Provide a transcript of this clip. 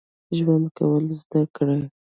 ژوند کول زده کړئ